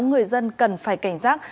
người dân cần phải cảnh giác